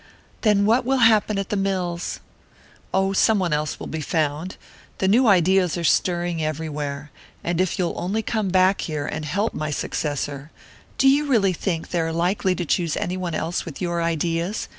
"Then what will happen at the mills?" "Oh, some one else will be found the new ideas are stirring everywhere. And if you'll only come back here, and help my successor " "Do you think they are likely to choose any one else with your ideas?"